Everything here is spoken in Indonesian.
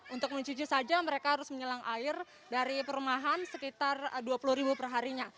untuk mencuci saja mereka harus menyelang air dari perumahan sekitar dua puluh ribu perharinya